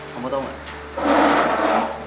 kamu tau gak